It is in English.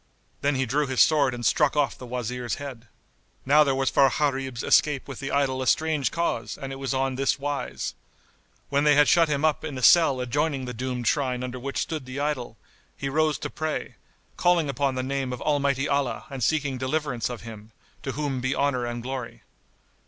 Then he drew his sword and struck off the Wazir's head. Now there was for Gharib's escape with the idol a strange cause and it was on this wise. When they had shut him up in a cell adjoining the doomed shrine under which stood the idol, he rose to pray, calling upon the name of Almighty Allah and seeking deliverance of Him, to whom be honour and glory!